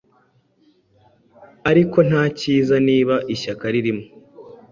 Ariko nta Cyiza niba Ishyaka ririmo.